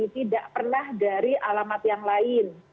tidak pernah dari alamat yang lain